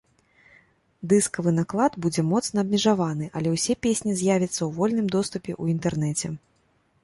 Дыскавы наклад будзе моцна абмежаваны, але ўсе песні з'явяцца ў вольным доступе ў інтэрнэце.